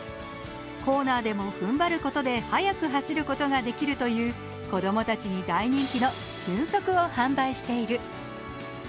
コーナーでもふんばることで速く走ることができるという子供たちに大人気の瞬足を販売している。